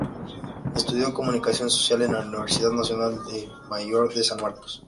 Estudió Comunicación Social en la Universidad Nacional Mayor de San Marcos.